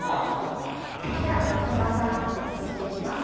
では横澤さんテストしていきます。